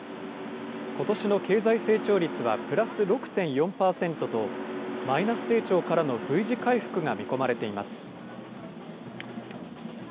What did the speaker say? ことしの経済成長率はプラス６．４％と、マイナス成長からのＶ字回復が見込まれています。